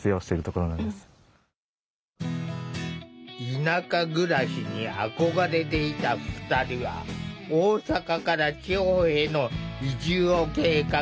田舎暮らしに憧れていた２人は大阪から地方への移住を計画。